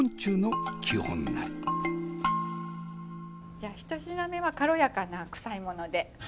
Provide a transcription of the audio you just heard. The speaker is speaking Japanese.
じゃあ１品目は軽やかなクサいもので。